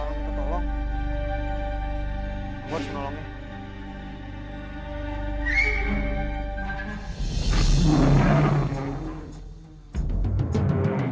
aku menyerah seorang orang yang tertolong